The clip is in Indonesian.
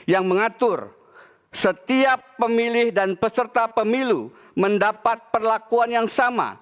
yang mengatur setiap pemilih dan peserta pemilu mendapat perlakuan yang sama